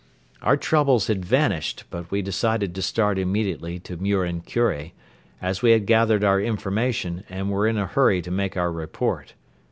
Our troubles had vanished but we decided to start immediately to Muren Kure, as we had gathered our information and were in a hurry to make our report.